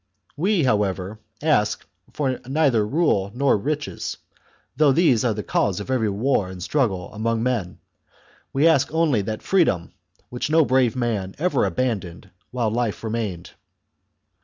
We, however, ask for neither rule nor riches, though these are the cause of every war and struggle among men ; we ask only for that free dom which no brave man ever abandoned while life remained.